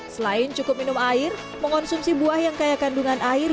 selain cukup minum air mengonsumsi buah yang kaya kandungan air